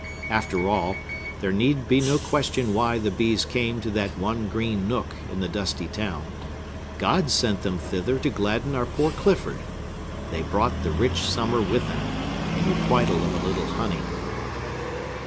After all, there need be no question why the bees came to that one green nook in the dusty town. God sent them thither to gladden our poor Clifford. They brought the rich summer with them, in requital of a little honey.